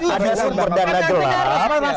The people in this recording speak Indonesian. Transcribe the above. ada sumber dana gelap